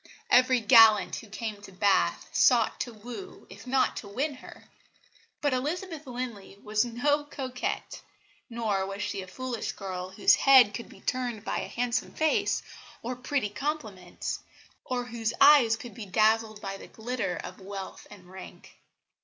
Every gallant who came to Bath, sought to woo, if not to win, her. But Elizabeth Linley was no coquette; nor was she a foolish girl whose head could be turned by a handsome face or pretty compliments, or whose eyes could be dazzled by the glitter of wealth and rank.